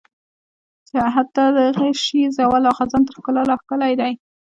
حتی د هغه شي زوال او خزان تر ښکلا لا ښکلی دی.